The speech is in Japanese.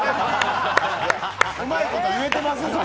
うまいこと言えてます？